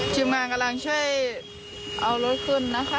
ทีมงานกำลังช่วยเอารถขึ้นนะคะ